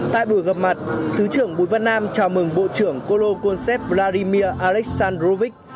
tại buổi gặp mặt thứ trưởng bùi văn nam chào mừng bộ trưởng kolokonsev vladimir aleksandrovich